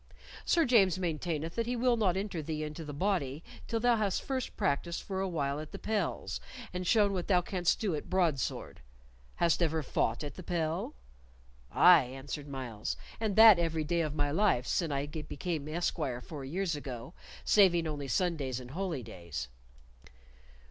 "Sir James maintaineth that he will not enter thee into the body till thou hast first practised for a while at the pels, and shown what thou canst do at broadsword. Hast ever fought at the pel?" "Aye," answered Myles, "and that every day of my life sin I became esquire four years ago, saving only Sundays and holy days."